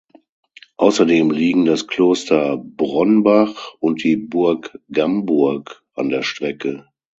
Außerdem liegen das Kloster Bronnbach und die Burg Gamburg an der Strecke.